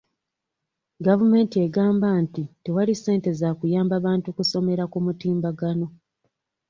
Gavumenti egamba nti tewali ssente za kuyamba bantu kusomera ku mutimbagano.